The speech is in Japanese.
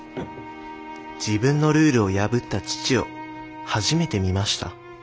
自分のルールを破った父を初めて見ました。